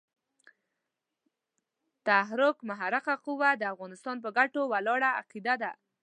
تحرک محرکه قوه د افغانستان پر ګټو ولاړه عقیده ده.